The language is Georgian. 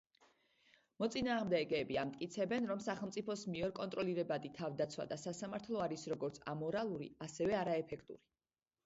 მოწინააღმდეგეები ამტკიცებენ რომ სახელმწიფოს მიერ კონტროლირებადი თავდაცვა და სასამართლო არის როგორც ამორალური, ასევე არაეფექტური.